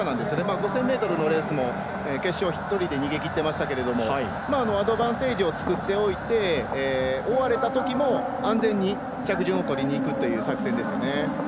５０００ｍのレースも決勝１人で逃げきってましたけどアドバンテージを作っておいて追われたときも安全に着順を取りにいくという作戦です。